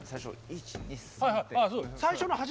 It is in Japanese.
１２３。